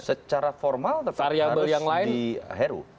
secara formal harus di heru